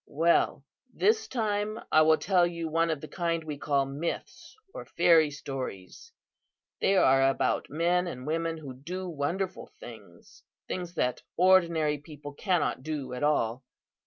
"Well, this time I will tell you one of the kind we call myths or fairy stories. They are about men and women who do wonderful things things that ordinary people cannot do at all.